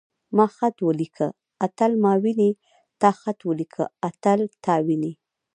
ما خط وليکه. اتل ما ويني.تا خط وليکه. اتل تا ويني.